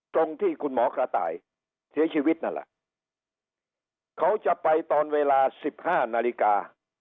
ตรงที่คุณหมอกระต่ายเสียชีวิตนั่นแหละเขาจะไปตอนเวลาสิบห้านาฬิกา